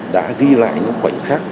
đã ghi lại những khoảnh khắc